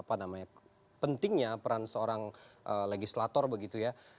apa namanya pentingnya peran seorang legislator begitu ya